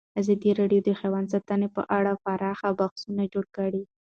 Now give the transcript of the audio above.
ازادي راډیو د حیوان ساتنه په اړه پراخ بحثونه جوړ کړي.